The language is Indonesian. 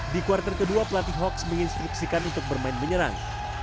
di quarter ke dua pelatih hawks menginstruksikan untuk bermain menyerang